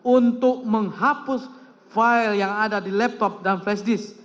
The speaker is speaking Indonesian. untuk menghapus file yang ada di laptop dan flash disk